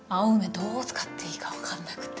どう使っていいか分かんなくて。